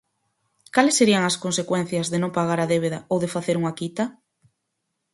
Cales serían as consecuencias de non pagar a débeda ou de facer unha quita?